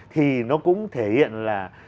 thì nó cũng thể hiện là